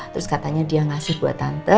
terus katanya dia ngasih buat tante